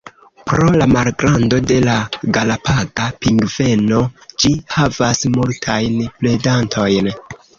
Pro la malgrando de la Galapaga pingveno, ĝi havas multajn predantojn.